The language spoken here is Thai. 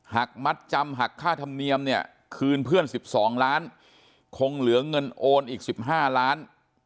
หักมัดจำหักค่าธรรมเนียมเนี่ยคืนเพื่อน๑๒ล้านคงเหลือเงินโอนอีก๑๕ล้าน